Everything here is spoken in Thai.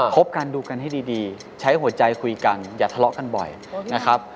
บกันดูกันให้ดีใช้หัวใจคุยกันอย่าทะเลาะกันบ่อยนะครับ